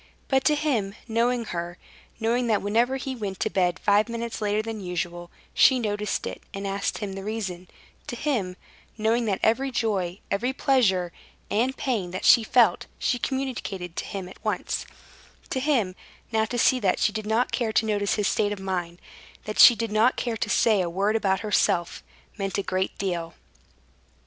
But to him, knowing her, knowing that whenever he went to bed five minutes later than usual, she noticed it, and asked him the reason; to him, knowing that every joy, every pleasure and pain that she felt she communicated to him at once; to him, now to see that she did not care to notice his state of mind, that she did not care to say a word about herself, meant a great deal.